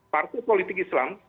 partai politik islam